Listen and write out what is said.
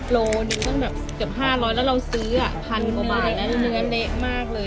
โลนึงตั้งแบบเกือบ๕๐๐แล้วเราซื้อพันกว่าบาทแล้วเนื้อเละมากเลย